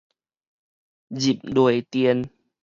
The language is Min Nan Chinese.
入螺鈿